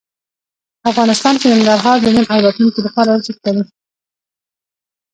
افغانستان کې ننګرهار د نن او راتلونکي لپاره ارزښت لري.